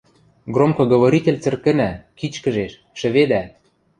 Громкоговоритель цӹркӹнӓ, кичкӹжеш, шӹведӓ.